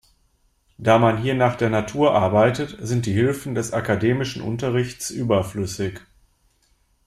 Da man hier nach der Natur arbeitet, sind die Hilfen des akademischen Unterrichts überflüssig.